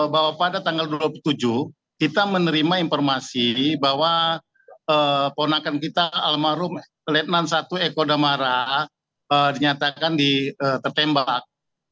bahwa pada tanggal dua puluh tujuh kita menerima informasi bahwa ponakan kita almarhum letnan satu eko damara dinyatakan tertembak